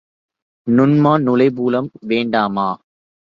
நுண்மாண் நுழைபுலம் வேண்டாமா?